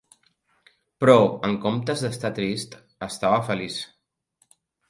Però, en comptes d'estar trist, estava feliç.